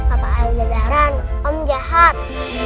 papa al jadaran om jahat